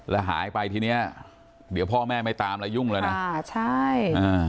แล้วหายไปทีเนี้ยเดี๋ยวพ่อแม่ไม่ตามแล้วยุ่งแล้วนะอ่าใช่อ่า